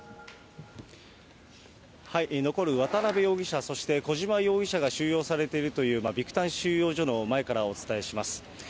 残る渡辺容疑者、そして小島容疑者が収容されているというビクタン収容所の前からお伝えします。